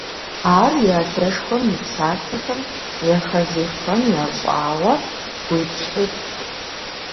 Ар и адэшхуэм и псалъэхэм зэхэзехуэн ящӀауэ, гуитӀщхьитӀт…